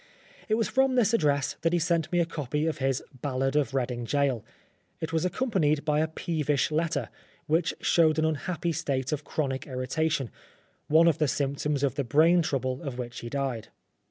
It was from this address that he sent me a copy of his " Ballad of Reading Gaol." It was accom panied by a peevish letter, which showed an unhappy state of chronic irritation one of the symptoms of the brain trouble of which he died.